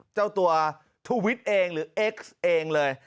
เจ้าตัวทุวิทย์เองหรือเอ็กซ์เองเลย